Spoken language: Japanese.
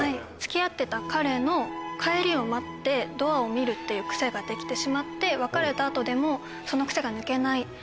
付き合ってた彼の帰りを待ってドアを見るという癖ができてしまって別れた後でもその癖が抜けない。